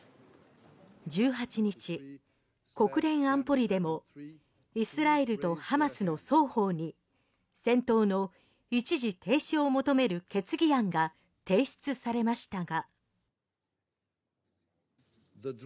１８日、国連安保理でもイスラエルとハマスの双方に戦闘の一時停止を求める決議案が提出されましたが。